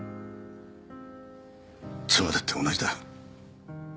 妻だって同じだ。